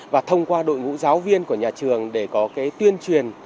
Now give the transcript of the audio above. và thông qua đội ngũ giáo viên của nhà trường để có cái tuyên truyền